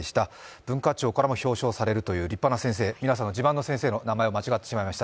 文化庁からも表彰されるという立派な先生皆さんの自慢の先生の名前を間違ってしまいました。